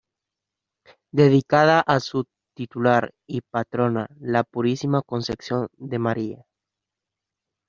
Dedicada a su titular y patrona, la Purísima Concepción de María".